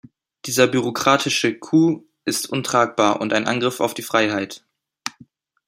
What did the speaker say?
Dieser bürokratische Coup ist untragbar und ein Angriff auf die Freiheit.